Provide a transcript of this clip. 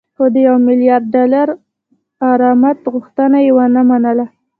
خو د یو میلیارد ډالري غرامت غوښتنه یې ونه منله